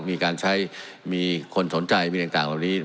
มีการใช้มีคนสนใจมีต่างเหล่านี้